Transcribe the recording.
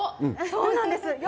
そうなんです。